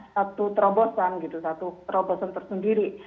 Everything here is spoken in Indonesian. satu terobosan tersendiri